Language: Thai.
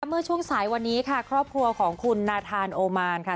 เมื่อช่วงสายวันนี้ค่ะครอบครัวของคุณนาธานโอมานค่ะ